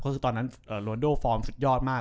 ก็คือตอนนั้นโรนโดฟอร์มสุดยอดมาก